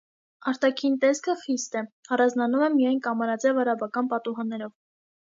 Արտաքին տեսքը խիստ է, առանձնանում է միայն կամարաձև արաբական պատուհաններով։